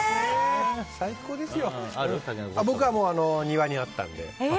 僕は庭にあったので。